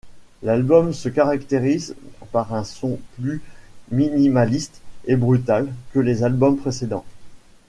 L'album se caractérise par un son plus minimaliste et brutal que les albums précédents.